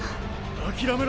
諦めろ。